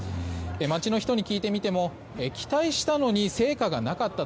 街の人に聞いてみても期待したのに成果がなかった。